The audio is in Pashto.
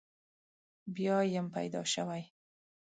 بیا یم پیدا شوی.